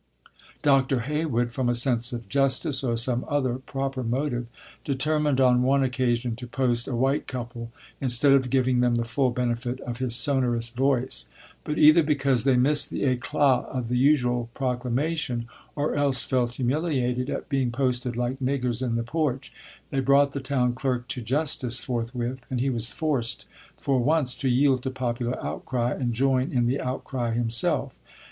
Dr. Heywood, from a sense of justice, or some other proper motive, determined on one occasion to "post" a white couple, instead of giving them the full benefit of his sonorous voice; but, either because they missed the éclat of the usual proclamation, or else felt humiliated at being "posted like niggers in the porch," they brought the town clerk to justice forthwith, and he was forced for once to yield to popular outcry, and join in the outcry himself.